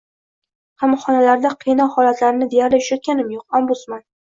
Qamoqxonalarda qiynoq holatlarini deyarli uchratganim yo‘q — ombudsman